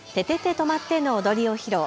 とまって！の踊りを披露。